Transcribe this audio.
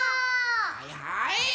はいはい！